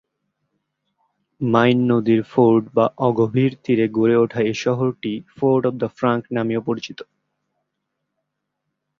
Mine নদীর ford বা অগভীর তীরে গড়ে উঠা এ শহরটি ফোর্ড অব দা ফ্রাঙ্ক নামেও পরিচিত।